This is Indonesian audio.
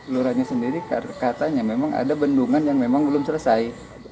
lurahnya sendiri katanya memang ada bendungan yang memang belum selesai